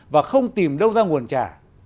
và không tìm đâu ra nguồn trả